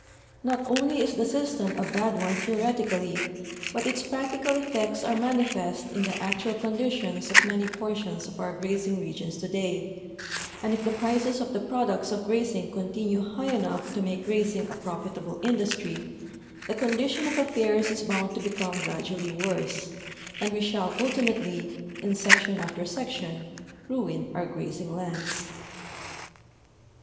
Not only is the system a bad one theo retically, but its practical effects are manifest in the actual con ditions of many portions of our grazing regions today, and if the ])rices of the ])roducts of grazing continue high enough to make grazing a profitable industiy, the condition of affairs is hound to become gradually worse, and we shall ultimatel}^ in section after section, ruin our grazing lands.